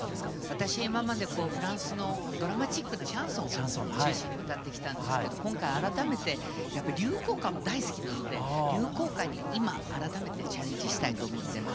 私今までこうフランスのドラマチックなシャンソンを中心に歌ってきたんですけど今回改めてやっぱ流行歌も大好きなので流行歌に今改めてチャレンジしたいと思ってます。